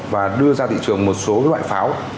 và đưa ra thị trường một số loại pháo